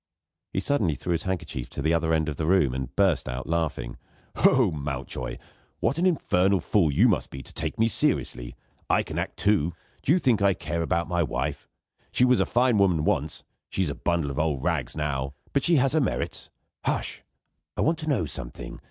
He suddenly threw his handkerchief to the other end of the room, and burst out laughing. "Ho! ho! Mountjoy, what an infernal fool you must be to take me seriously. I can act, too. Do you think I care about my wife? She was a fine woman once: she's a bundle of old rags now. But she has her merits. Hush! I want to know something.